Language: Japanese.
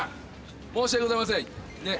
申し訳ございません。